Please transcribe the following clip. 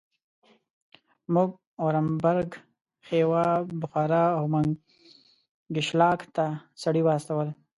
موږ اورینبرګ، خیوا، بخارا او منګیشلاک ته سړي واستول.